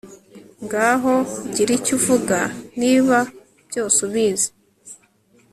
ngaho gira icyo uvuga, niba byose ubizi